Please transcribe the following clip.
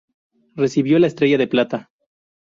Recibió la Estrella de Plata.